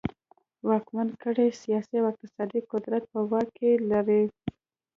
واکمنه کړۍ سیاسي او اقتصادي قدرت په واک کې لري.